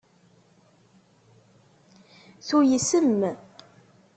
Tuysem.